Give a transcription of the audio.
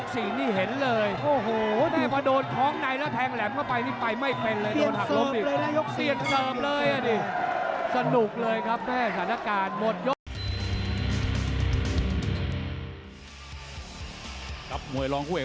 สิบมินาทีที่เหลือ